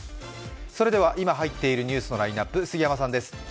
それでは、今入っているニュースのラインナップ、杉山さんです。